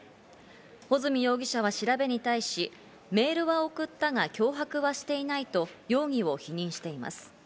保住容疑者は調べに対し、メールは送ったが脅迫はしていないと容疑を否認しています。